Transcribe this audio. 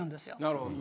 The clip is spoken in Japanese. なるほど。